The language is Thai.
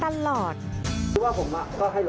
ว่าผมก็ให้รอตรงนี้ไง